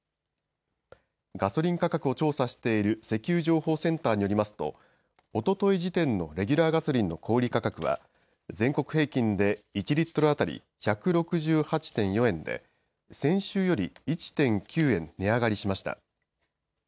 ガソリン価格を調査している石油情報センターによりますとおととい時点のレギュラーガソリンの小売価格は全国平均で１リットル当たり１６８．４円で先週より１．９円値上がりしました。